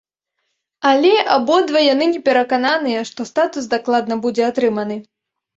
Але абодва яны не перакананыя, што статус дакладна будзе атрыманы.